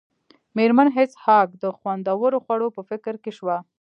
میرمن هیج هاګ د خوندورو خوړو په فکر کې شوه